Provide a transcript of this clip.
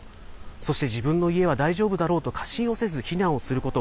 そして自分の家は大丈夫だろうと過信をせず避難をすること。